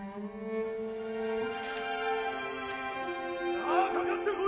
・さあかかってこい！